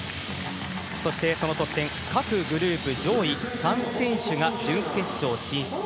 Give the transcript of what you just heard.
そして、その得点各グループ上位３選手が準決勝進出。